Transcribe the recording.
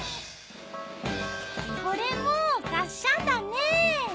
これもがっしゃんだね。